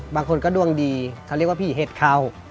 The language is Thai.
บางคนก็ดวงดีเขาเรียกว่าพี่เห็ดเข้า